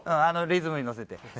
あのリズムに乗せて。